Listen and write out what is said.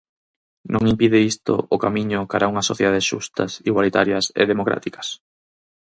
Non impide isto o camiño cara a unhas sociedades xustas, igualitarias e democráticas?